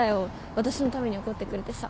私のために怒ってくれてさ。